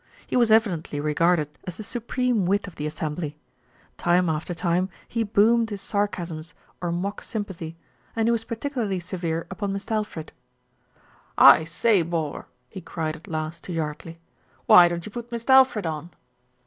He was evidently regarded as the supreme wit of the assembly. Time after time he boomed his sarcasms, 198 THE RETURN OF ALFRED or mock sympathy, and he was particularly severe upon Mist' Alfred. "I say, bor," he cried at last to Yardley. "Why don't you put Mist' Alfred on?"